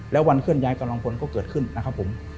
แล้ววันเคลื่อนย้ายกำลังพลก็เกิดขึ้นนะครับผม